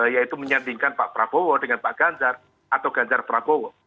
yaitu menyandingkan pak prabowo dengan pak ganjar atau ganjar prabowo